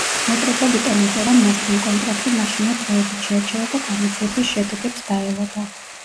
მეტროპოლიტენ-ოპერამ მასთან კონტრაქტი მაშინვე დროებით შეაჩერა და გამოძიების შედეგებს დაელოდა.